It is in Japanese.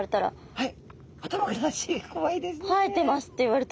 はい。